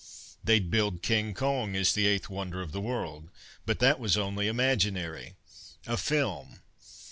They'd billed "King Kong" as "The Eighth Wonder of the World," but that was only imaginary a film